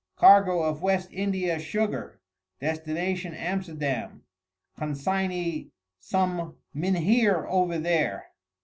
Cargo of West India sugar, destination Amsterdam, consignee some Mynheer over there.